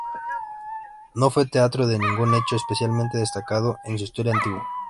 No fue teatro de ningún hecho especialmente destacado en su historia antigua.